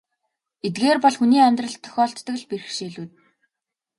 Эдгээр бол хүний амьдралд тохиолддог л бэрхшээлүүд.